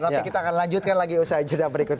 nanti kita akan lanjutkan lagi usaha jeda berikut ini